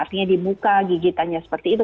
artinya di muka gigitannya seperti itu